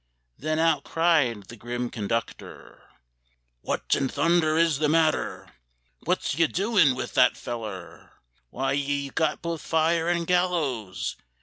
Then out cried the grim conductor, "What in thunder is the matter? What's ye doin' with that feller? Why've ye got both fire and gallows?"